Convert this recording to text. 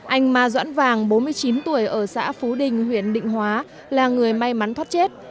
anh ma doãn vàng bốn mươi chín tuổi ở xã phú đình huyện định hóa là người may mắn thoát chết